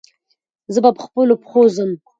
زه به پخپلو پښو ځم.